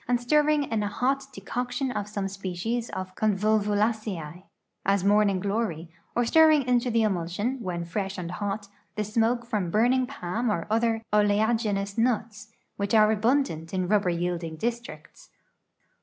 and stirring in a hot decoction of some s|>ccies ofconvolvulaceae, as morning glory, or stirring into the emulsion, when fresh and hot, thesmoke from l)urningpalm or other oleag inous nuts, which are alnindant in rubber yielding districts.